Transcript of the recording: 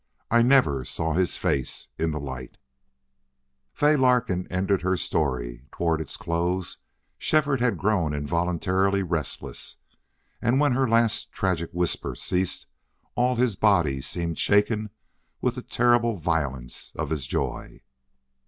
I never saw his face in the light!" ........... Fay Larkin ended her story. Toward its close Shefford had grown involuntarily restless, and when her last tragic whisper ceased all his body seemed shaken with a terrible violence of his joy.